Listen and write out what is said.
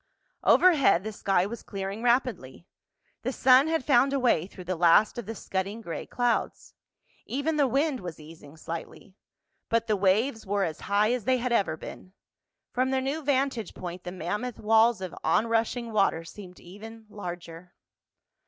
Overhead the sky was clearing rapidly. The sun had found a way through the last of the scudding gray clouds. Even the wind was easing slightly. But the waves were as high as they had ever been. From their new vantage point the mammoth walls of onrushing water seemed even larger.